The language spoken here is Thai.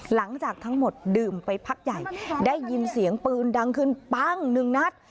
หลังจากทั้งหมดดื่มไปพักใหญ่ได้ยินเสียงปืนดังขึ้นปั้งหนึ่งนัด